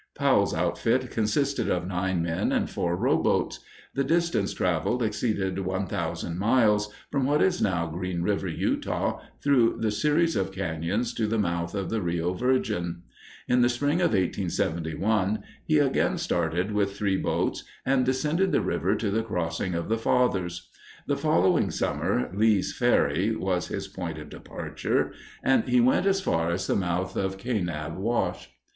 Powell's outfit consisted of nine men and four rowboats. The distance traveled exceeded one thousand miles, from what is now Greenriver, Utah, through the series of cañons to the mouth of the Rio Virgin. In the spring of 1871 he again started with three boats and descended the river to the Crossing of the Fathers. The following summer Lee's Ferry was his point of departure and he went as far as the mouth of Kanab Wash.